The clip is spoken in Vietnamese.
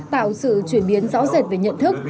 tạo sự chuyển biến rõ rệt về nhận thức